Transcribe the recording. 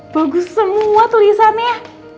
bagus semua tulisannya